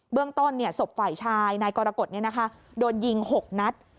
เรื่องต้นศพฝ่ายชายนายกรกฎโดนยิง๖นัด